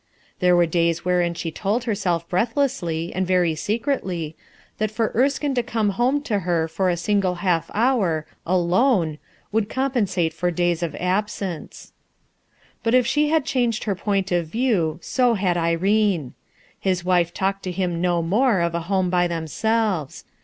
There were days wherein she told herself breathlessly and very secretly, that for Erskine to come home to her for a single half hour, alone, would compensate for days of absence. THE GENERAL MANAGER 1&3 But if she had changed her point of view, so had Irene, His wife talked to him no more of a home by themselves.